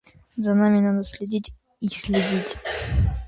За ними надо следить и следить.